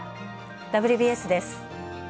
「ＷＢＳ」です。